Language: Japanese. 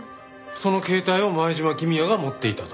その携帯を前島公也が持っていたと。